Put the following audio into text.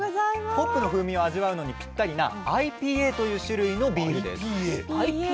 ホップの風味を味わうのにぴったりなＩＰＡという種類のビールです。